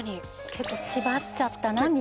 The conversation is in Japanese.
結構縛っちゃったなみたいな。